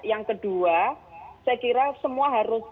yang kedua saya kira semua harus